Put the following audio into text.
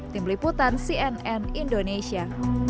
tim liputan cnn indonesia